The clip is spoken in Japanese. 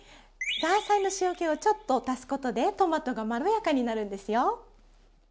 ザーサイの塩けをちょっと足すことでトマトがまろやかになるんですよ。